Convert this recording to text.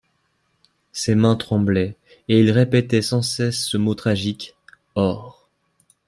Ses mains tremblaient et il répétait sans cesse ce mot tragique: OR.